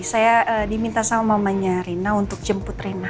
saya diminta sama mamanya reina untuk jemput reina